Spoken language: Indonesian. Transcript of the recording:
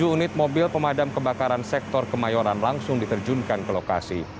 tujuh unit mobil pemadam kebakaran sektor kemayoran langsung diterjunkan ke lokasi